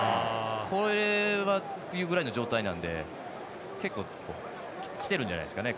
これぐらいの状態なんで結構きてるんじゃないですかね